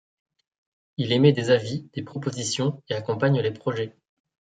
Il émet des avis, des propositions et accompagne les projets.